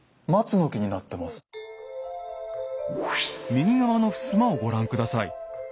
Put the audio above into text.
右側のふすまをご覧下さい。